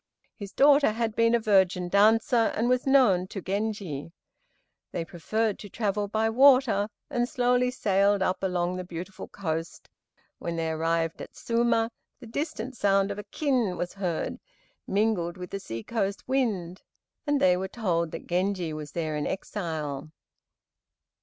His daughter had been a virgin dancer, and was known to Genji. They preferred to travel by water, and slowly sailed up along the beautiful coast. When they arrived at Suma, the distant sound of a kin was heard, mingled with the sea coast wind, and they were told that Genji was there in exile.